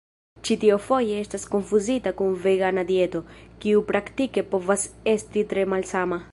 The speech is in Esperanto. Ĉi tio foje estas konfuzita kun vegana dieto, kiu praktike povas esti tre malsama.